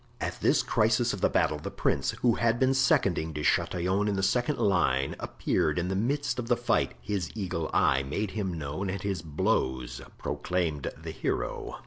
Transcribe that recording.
At this crisis of the battle, the prince, who had been seconding De Chatillon in the second line, appeared in the midst of the fight; his eagle eye made him known and his blows proclaimed the hero.